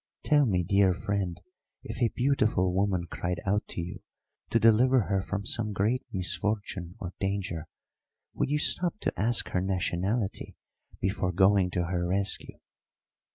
Tell me, dear friend, if a beautiful woman cried out to you to deliver her from some great misfortune or danger, would you stop to ask her nationality before going to her rescue?"